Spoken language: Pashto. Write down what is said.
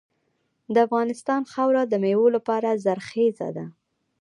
د افغانستان خاوره د میوو لپاره زرخیزه ده.